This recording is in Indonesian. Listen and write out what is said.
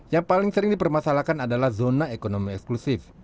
yang paling sering dipermasalahkan adalah zona ekonomi eksklusif